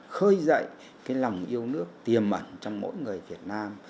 khơi dậy lòng yêu nước tiềm ẩn trong mỗi người việt nam